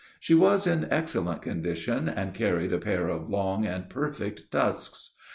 She was in excellent condition, and carried a pair of long and perfect tusks.